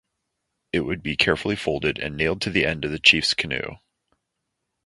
It would be carefully folded and nailed to the end of a chief's canoe.